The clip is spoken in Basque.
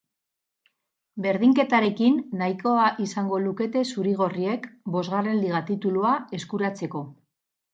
Berdinketarekin nahikoa izango lukete zuri-gorriek bosgarren liga titulua eskuratzeko.